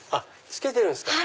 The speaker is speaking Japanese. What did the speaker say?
付けてるんすか。